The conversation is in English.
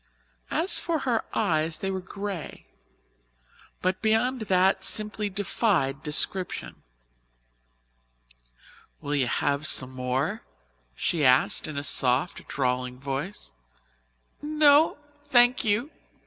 As for her eyes, they were grey, but beyond that simply defied description. "Will you have some more?" she asked in a soft, drawling voice. "No, thank you.